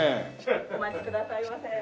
お待ちくださいませ。